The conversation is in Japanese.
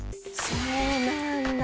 そうなんだ。